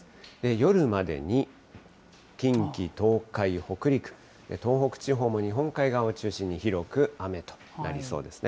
夜までに近畿、東海、北陸、東北地方も日本海側を中心に広く雨となりそうですね。